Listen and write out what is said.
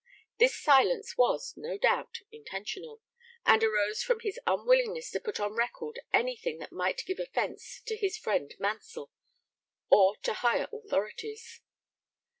This silence was, no doubt, intentional, and arose from his unwillingness to put on record anything that might give offence to his friend Mansell or to higher authorities.